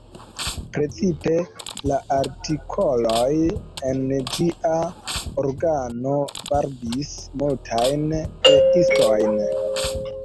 Precipe la artikoloj en ĝia organo varbis multajn E-istojn.